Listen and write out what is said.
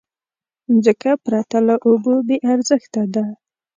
مځکه پرته له اوبو بېارزښته ده.